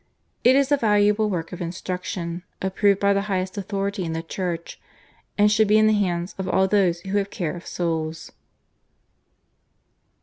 It is a valuable work of instruction, approved by the highest authority in the Church, and should be in the hands of all those who have care of souls.